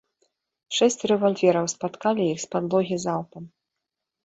Шэсць рэвальвераў спаткалі іх з падлогі залпам.